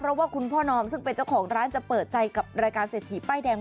เพราะว่าคุณพ่อนอมซึ่งเป็นเจ้าของร้านจะเปิดใจกับรายการเศรษฐีป้ายแดง